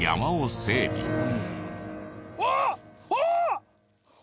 うわっ！ああ！